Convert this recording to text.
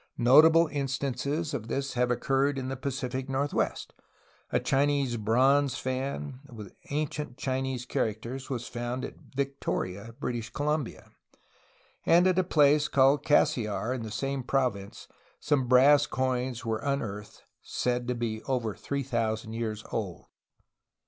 Notable instances of this have occurred in the Pacific northwest. A Chinese bronze fan, with ancient Chinese characters, was found at Victoria, British Columbia, and at a place called Cassiar in the same province some brass coins were unearthed said to be over three thousand years old.